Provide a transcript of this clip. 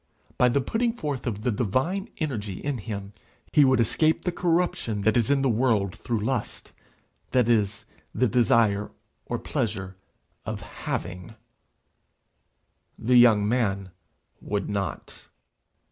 By the putting forth of the divine energy in him, he would escape the corruption that is in the world through lust that is, the desire or pleasure of having. The young man would not.